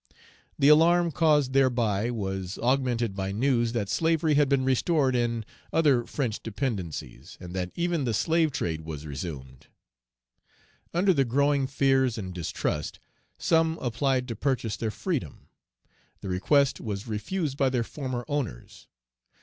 The alarm caused thereby was augmented by news that slavery had been restored in other French dependencies, and that even the slave trade Page 245 was resumed. Under the growing fears and distrust, some applied to purchase their freedom. The request was refused by their former owners.